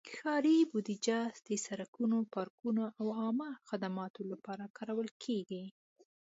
ښاري بودیجه د سړکونو، پارکونو، او عامه خدماتو لپاره کارول کېږي.